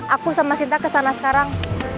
aku sama sinta kesana sekarang